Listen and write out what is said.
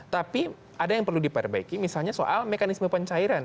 tapi ada yang perlu diperbaiki misalnya soal mekanisme pencairan